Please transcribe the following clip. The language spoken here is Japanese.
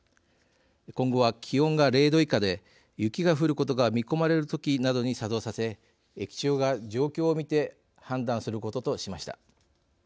今後は気温が０度以下で雪が降ることが見込まれるときなどに作動させ駅長が状況を見て判断することとしました。